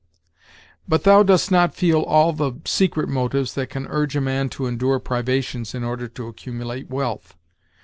"But thou dost not feel all the secret motives that can urge a man to endure privations in order to accumulate wealth.